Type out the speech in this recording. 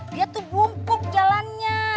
dia tuh bungkuk jalannya